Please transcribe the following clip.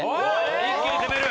一気に攻める。